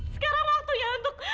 sekarang waktunya untuk